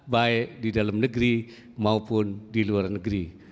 baik di dalam negeri maupun di luar negeri